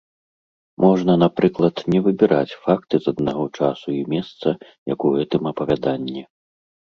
Можна, напрыклад, не выбіраць факты з аднаго часу і месца, як у гэтым апавяданні.